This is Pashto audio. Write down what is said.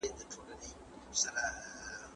ځوانان اوسمهال د سياسي ډلو تاريخ مطالعه کوي.